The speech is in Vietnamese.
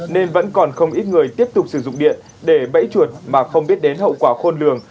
nên vẫn còn không ít người tiếp tục sử dụng điện để bẫy chuột mà không biết đến hậu quả khôn lường